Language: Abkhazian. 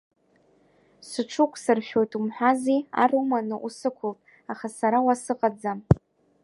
Сыҽуқәсыршәоит умҳәази, ар уманы усықәылт, аха сара уа сыҟаӡам.